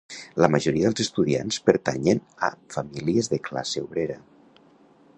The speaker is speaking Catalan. La majoria dels estudiants pertanyen a famílies de classe obrera.